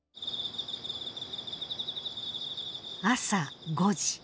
朝５時。